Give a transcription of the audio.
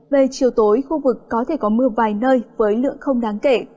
về chiều tối khu vực có thể có mưa vài nơi với lượng không đáng kể